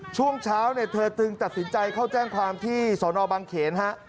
ช่วงเช้าเธอจัดสินใจเข้าแจ้งความที่สนบังเขนฮะ